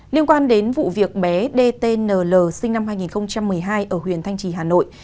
liên quan đến vụ việc bé dtnl sinh năm hai nghìn một mươi hai ở huyện thanh trì hà nội